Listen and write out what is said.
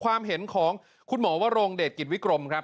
ความเห็นของคุณหมอวรงเดชกิจวิกรมครับ